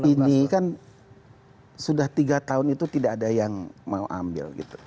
ini kan sudah tiga tahun itu tidak ada yang mau ambil